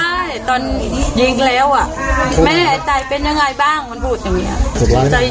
ใช่ตอนยิงแล้วอ่ะแม่ใจเป็นยังไงบ้างมันพูดอย่างนี้